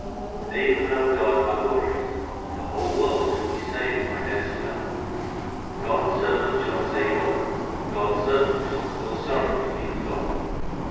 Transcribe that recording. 7 They who know God are glorious ; The whole world shall be saved by their spell. God s servants shall save all : God s servants shall cause sorrow to be forgotten.